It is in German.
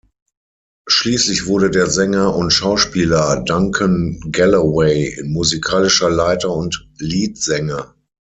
Schließlich wurde der Sänger und Schauspieler Duncan Galloway musikalischer Leiter und Leadsänger.